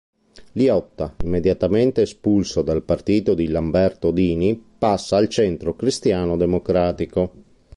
Liotta, immediatamente espulso dal partito di Lamberto Dini, passa al Centro Cristiano Democratico.